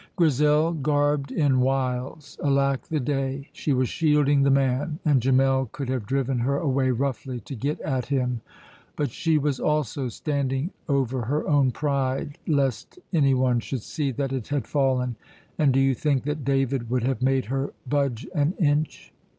Grizel garbed in wiles! Alack the day! She was shielding the man, and Gemmell could have driven her away roughly to get at him. But she was also standing over her own pride, lest anyone should see that it had fallen; and do you think that David would have made her budge an inch?